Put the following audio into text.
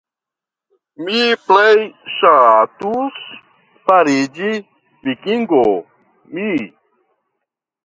Mi plej ŝatus fariĝi vikingo, mi.